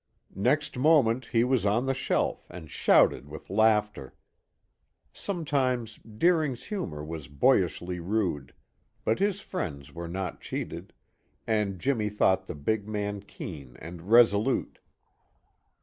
Next moment he was on the shelf and shouted with laughter. Sometimes Deering's humor was boyishly rude, but his friends were not cheated, and Jimmy thought the big man keen and resolute.